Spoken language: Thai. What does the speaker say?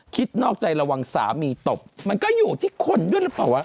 นอกใจระวังสามีตบมันก็อยู่ที่คนด้วยหรือเปล่าวะ